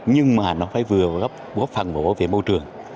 nhưng mà nó phải vừa góp phần bảo vệ môi trường